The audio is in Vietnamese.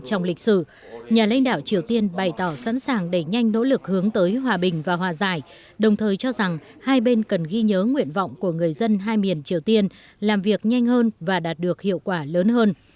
trong lịch sử nhà lãnh đạo triều tiên bày tỏ sẵn sàng đẩy nhanh nỗ lực hướng tới hòa bình và hòa giải đồng thời cho rằng hai bên cần ghi nhớ nguyện vọng của người dân hai miền triều tiên làm việc nhanh hơn và đạt được hiệu quả lớn hơn